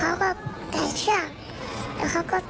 ก็คลิกครับสิ่งที่ฉันคิด